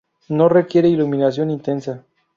No requiere iluminación intensa.